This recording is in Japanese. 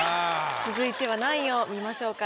続いては何位を見ましょうか？